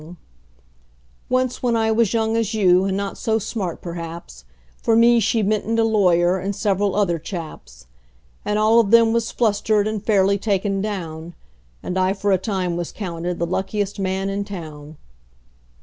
[ image not found: CarleFarmB 19, CarleFarmB 19 ] Once, when I was young as you, and not so smart, perhaps, For me she mittened a lawyer, and several other chaps; And all of them was flustered, and fairly taken down, And I for a time was counted the luckiest man in town.